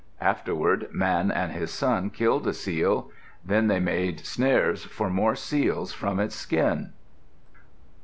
Afterward, Man and his son killed a seal; then they made snares for more seals from its skin.